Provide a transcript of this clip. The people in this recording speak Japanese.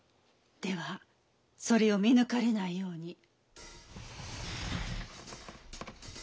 ではそれを見抜かれないように。